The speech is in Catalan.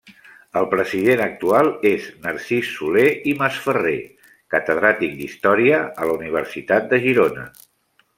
El president actual és Narcís Soler i Masferrer, catedràtic d'història a la Universitat de Girona.